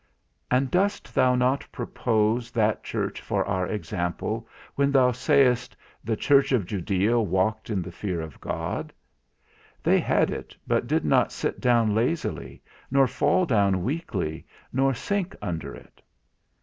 And dost thou not propose that church for our example when thou sayest, the church of Judea walked in the fear of God; they had it, but did not sit down lazily, nor fall down weakly, nor sink under it.